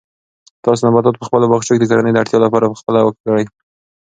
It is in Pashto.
تاسو نباتات په خپلو باغچو کې د کورنۍ د اړتیا لپاره په خپله وکرئ.